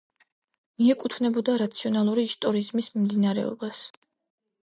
მიეკუთვნებოდა „რაციონალური ისტორიზმის“ მიმდინარეობას.